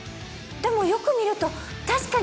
でもよく見ると確かに似て。